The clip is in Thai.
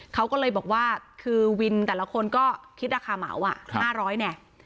เขาก็เลยบอกว่าคือวินแต่ละคนก็คิดราคาเหมา๕๐๐เนี่ย